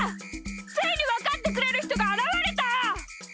ついにわかってくれるひとがあらわれた！